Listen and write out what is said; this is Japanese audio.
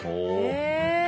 へえ。